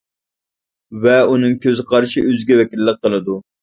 ۋە ئۇنىڭ كۆز قارىشى ئۆزىگە ۋەكىللىك قىلىدۇ.